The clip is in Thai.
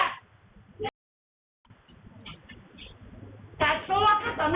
พระเร็นเจ็บนี่ก่อน